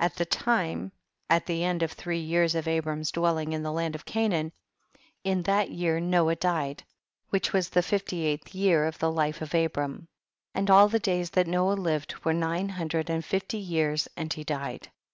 9. At that time, at the end of three years of Abram's dwelling in the land of Canaan, in that year Noah died, which was the fifty eighth year of the life of Abram ; and all the days that Noah lived were nine hun dred and fifty years and he died.